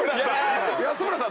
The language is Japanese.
安村さん